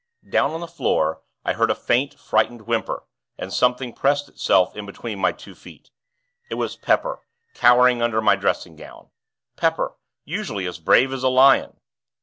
Down on the floor, I heard a faint, frightened whimper, and something pressed itself in between my two feet. It was Pepper, cowering under my dressing gown. Pepper, usually as brave as a lion!